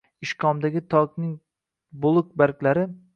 ishkomdagi tokning boʼliq barglari